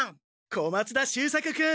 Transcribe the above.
小松田秀作君！